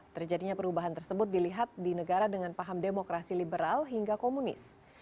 terjadinya perubahan tersebut dilihat di negara dengan paham demokrasi liberal hingga komunis